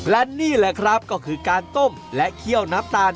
และนี่แหละครับก็คือการต้มและเคี่ยวน้ำตาล